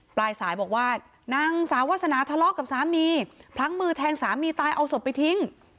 ปลายสายบอกว่านางสาววาสนาทะเลาะกับสามีพลั้งมือแทงสามีตายเอาศพไปทิ้ง